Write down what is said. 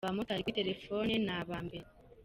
Abamotali kuri telefone ni aba mbere.